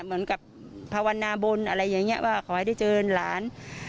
เหมือนกับภาวนาบนอะไรอย่างนี้ว่าขอให้ได้เจอหลาน